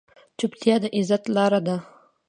چپتیا، د عزت لاره ده.